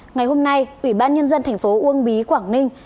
ngày hôm nay ủy ban nhân dân tp uông bí quảng ninh